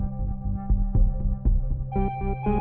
apakah seorang wanita yang berpengalaman